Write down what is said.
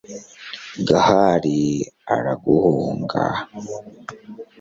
gahali arahunga